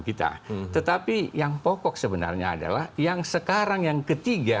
yang lama ini kan juga menggaguh kita tetapi yang pokok sebenarnya adalah yang sekarang yang ketiga